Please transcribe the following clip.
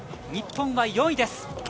日本は４位です。